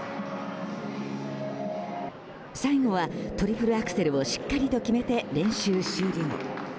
最後はトリプルアクセルをしっかりと決めて練習終了。